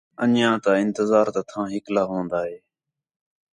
انہیاں تا انتظار تا تھاں ہِکلا ہون٘دا ہے